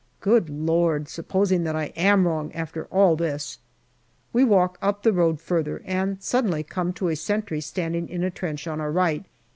Good Lord ! supposing that I am wrong after all this ! We walk up the road further, and suddenly come to a sentry standing in a trench on our right.